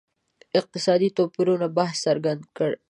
اقتصادي توپیرونو بحث څرګند دی.